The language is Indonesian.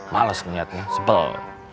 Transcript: males ngeliatnya sebel